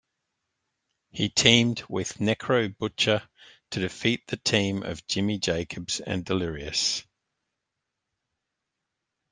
He teamed with Necro Butcher to defeat the team of Jimmy Jacobs and Delirious.